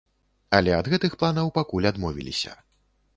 Але ад гэтых планаў пакуль адмовіліся.